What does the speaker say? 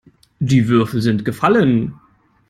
Die Würfel sind gefallen.